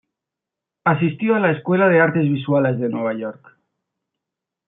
Asistió a la Escuela de Artes Visuales de Nueva York.